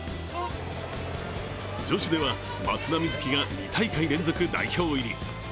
女子では、松田瑞生が２大会連続代表入り。